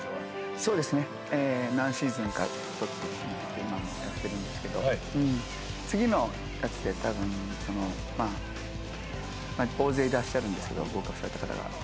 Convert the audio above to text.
そうですね、何シーズンか撮ってきまして、今もやってるんですけれども、次のやつでたぶん、大勢いらっしゃるんですけど、合格者の方々が。